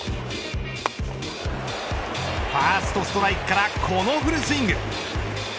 ファーストストライクからこのフルスイング。